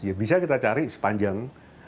ya bisa kita cari sepanjang